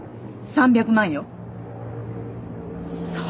３００万か。